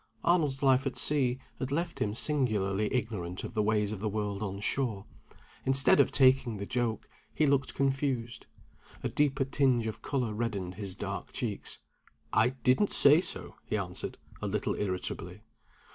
Arnold's life at sea had left him singularly ignorant of the ways of the world on shore. Instead of taking the joke, he looked confused. A deeper tinge of color reddened his dark cheeks. "I didn't say so," he answered, a little irritably.